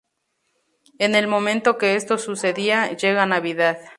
En el momento que esto sucedía llega navidad.